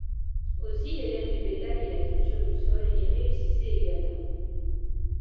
Aussi, l’élève du bétail et la culture du sol y réussissaient également.